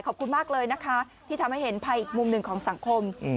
ขอบคุณมากเลยนะคะที่ทำให้เห็นภัยอีกมุมหนึ่งของสังคม